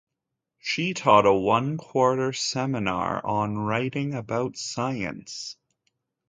She taught a one-quarter seminar on writing about science.